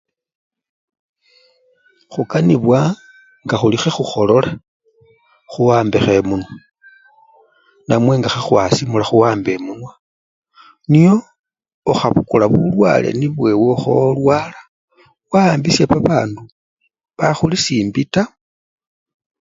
Khukanibwa ngakhuli khekhukholola khuwambekho emunwa namwe nga khuli ekhwasimula khuwambe emunwa nyo ukhabukula bulwale nibwo ewekholwala wawambisha babandu bakhuli simbii taa.